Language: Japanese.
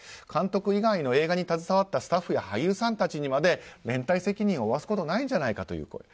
監督以外の映画に携わったスタッフや俳優さんたちにまで連帯責任を負わせることはないのではないかという声。